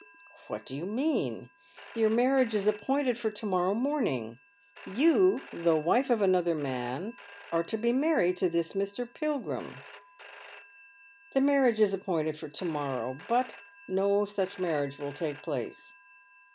.• j i? x " What do you mean ? Your marriage is appointed tor to morrow morning. You, the wife of another man, are to br manned to this Mr. Pilgrim." " The marriage is appointed for to morrow, but no such marriage will take place."